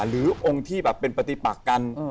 หรือองค์ที่แบบเป็นปฏิปักกัน